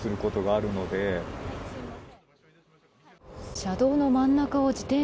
車道の真ん中を。